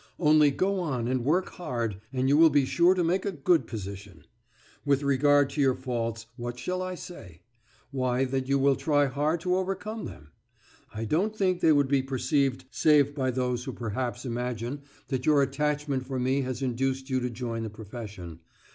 Only go on and work hard, and you will be sure to make a good position. With regard to your faults, what shall I say? Why, that you will try hard to overcome them. I don't think they would be perceived save by those who perhaps imagine that your attachment for me has induced you to join the profession.